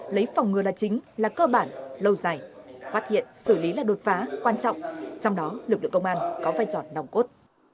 lấy phòng ngừa là chính là cơ bản lâu dài phát hiện xử lý là đột phá quan trọng trong đó lực lượng công an có vai trò nòng cốt